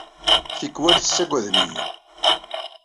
Tikkal, tessaggadem-iyi.